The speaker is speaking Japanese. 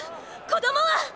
子供は！